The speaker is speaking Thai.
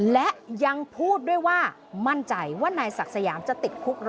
และยังพูดด้วยว่ามั่นใจว่านายศักดิ์สยามจะติดคุก